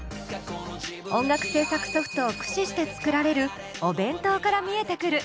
音楽制作ソフトを駆使して作られるお弁当から見えてくる